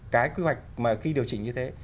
cái quy hoạch mà khi điều chỉnh như thế